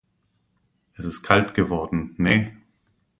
Es ist kalt geworden, ne.